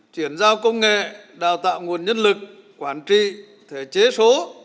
chuyển giao công nghệ đào tạo nguồn nhân lực quản trị thể chế số